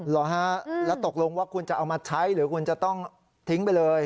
เหรอฮะแล้วตกลงว่าคุณจะเอามาใช้หรือคุณจะต้องทิ้งไปเลย